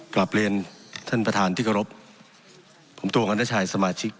กลับเลียนท่านประธานธิกรพะผมตัวคืออัณฑชายสมาชิก